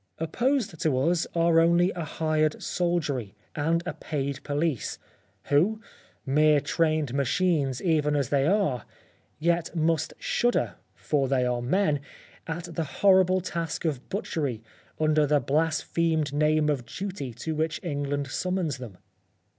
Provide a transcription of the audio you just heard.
Opposed to us are only a hired soldiery, and a paid police, who mere trained machines even as they are, yet must shudder (for they are men) at the horrible task of butchery, under the blasphemed name of duty to which England summons them.